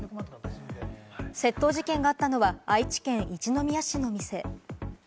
窃盗事件があったのは愛知県一宮市の店。